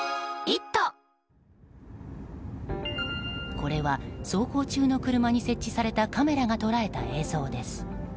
これは走行中の車に設置されたカメラが捉えた映像です。